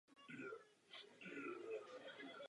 Jinak jsou obvodové stěny hladké a bez otvorů.